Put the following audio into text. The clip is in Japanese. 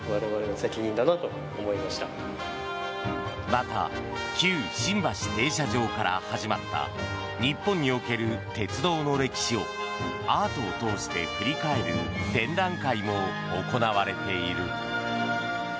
また旧新橋停車場から始まった日本における鉄道の歴史をアートを通して振り返る展覧会も行われている。